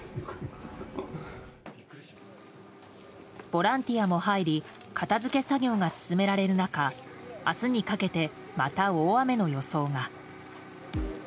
ボランティアも入り片付け作業が進められる中明日にかけて、また大雨の予想が。